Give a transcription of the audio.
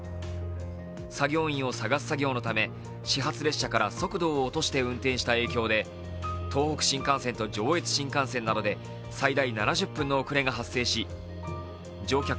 作業員を捜す作業のため始発列車から速度を落として運転した影響で東北新幹線と上越新幹線などで最大７０分の遅れが発生し乗客